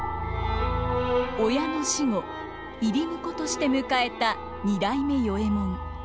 親の死後入り婿として迎えた二代目与右衛門。